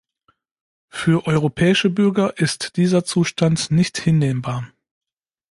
Für europäische Bürger ist dieser Zustand nicht hinnehmbar.